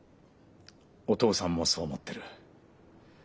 お父さんもそう思ってる。